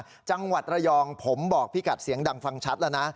จังหวัดระยองผมบอกพี่กัดเสียงดังฟังชัดแล้วนะ